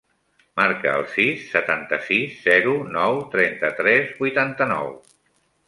Marca el sis, setanta-sis, zero, nou, trenta-tres, vuitanta-nou.